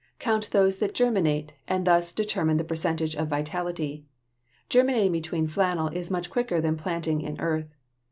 Count those that germinate and thus determine the percentage of vitality. Germinating between flannel is much quicker than planting in earth.